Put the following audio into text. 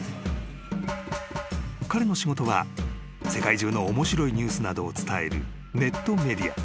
［彼の仕事は世界中の面白いニュースなどを伝えるネットメディア］